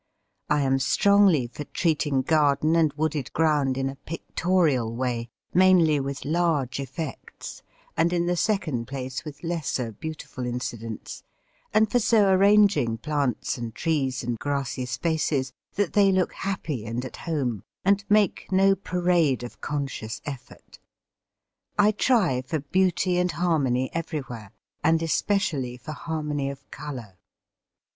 I am strongly for treating garden and wooded ground in a pictorial way, mainly with large effects, and in the second place with lesser beautiful incidents, and for so arranging plants and trees and grassy spaces that they look happy and at home, and make no parade of conscious effort. I try for beauty and harmony everywhere, and especially for harmony of colour.